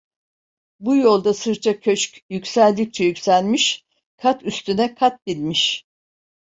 Bu yolda sırça köşk yükseldikçe yükselmiş, kat üstüne kat binmiş.